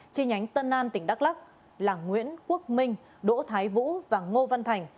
chi nhánh tân an tỉnh đắk lắc là nguyễn quốc minh đỗ thái vũ và ngô văn thành